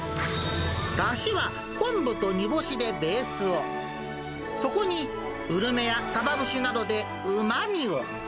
だしは昆布と煮干しでベースを、そこにうるめやサバ節などでうまみを。